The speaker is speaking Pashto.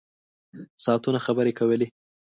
ساعتونه خبرې کولې.